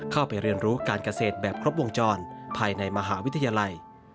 เข้าไปเรียนรู้การเกษตรแบบครบวงจรภายในมหาวิทยาลัย